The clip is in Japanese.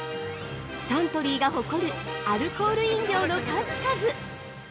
◆サントリーが誇るアルコール飲料の数々。